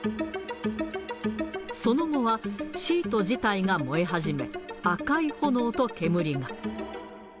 その後は、シート自体が燃え始め、赤い炎と煙が。